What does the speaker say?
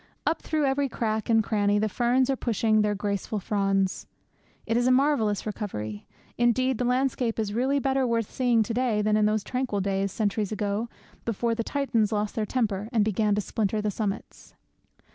Up through every crack and cranny the ferns are pushing their graceful fronds. It is a marvellous recovery. Indeed, the landscape is really better worth seeing to day than in those tranquil days, centuries ago, before the Titans lost their temper, and began to splinter the summits.